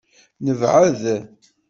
Nebɛed.